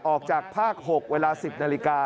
ออกจากภาค๖เวลา๑๐นาฬิกา